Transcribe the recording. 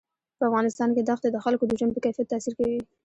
په افغانستان کې دښتې د خلکو د ژوند په کیفیت تاثیر کوي.